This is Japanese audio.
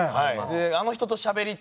であの人としゃべりたい。